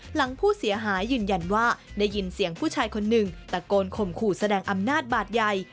หลังผู้เสียหายยืนยันว่าได้ยินเสียงผู้ชายคนหนึ่งตะโกนข่มขู่แสดงอำนาจบาดใหญ่